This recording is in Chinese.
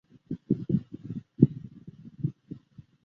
纤柄红豆为豆科红豆属下的一个种。